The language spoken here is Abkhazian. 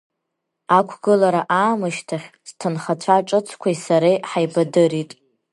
Ақәгылара аамышьҭахь сҭынхацәа ҿыцқәеи сареи ҳаибадырит.